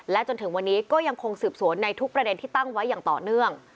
จนถึงวันนี้ก็ยังคงสืบสวนในทุกประเด็นที่ตั้งไว้อย่างต่อเนื่อง